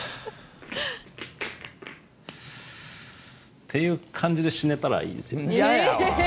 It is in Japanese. っていう感じで死ねたらいいですよね。